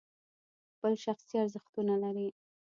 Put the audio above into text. خپل شخصي ارزښتونه لري.